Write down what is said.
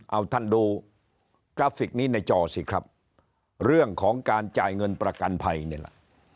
เอาท่านดูกราฟิกนี้ในจอสิครับเรื่องของการจ่ายเงินประกันภัยนี่แหละ